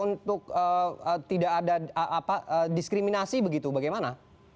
untuk tidak ada diskriminasi begitu bagaimana